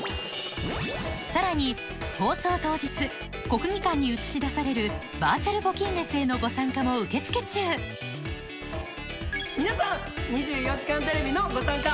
さらに放送当日国技館に映し出されるバーチャル募金列へのご参加も受付中皆さん『２４時間テレビ』のご参加。